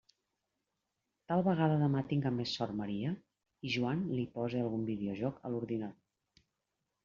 Tal vegada demà tinga més sort Maria i Joan li pose algun videojoc a l'ordinador.